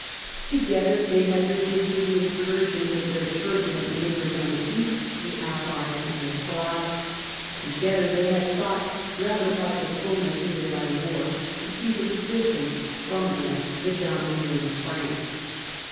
Together they had resisted the 170 CHARLEMAGNE. incursions of their turbulent neighbors on the east, the Avars and the Sclaves; together they had sought, rather b}^ diplomacy than b}' war, to keep at a distance from them the domineering Frank.